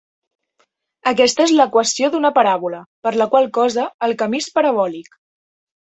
Aquesta és l'equació d'una paràbola, per la qual cosa el camí és parabòlic.